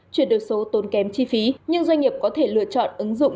chuyển đổi số tốn kém chi phí nhưng doanh nghiệp có thể lựa chọn ứng dụng